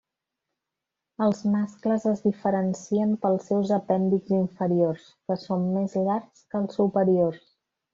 Els mascles es diferencien pels seus apèndixs inferiors, que són més llargs que els superiors.